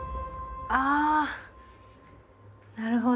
あなるほど。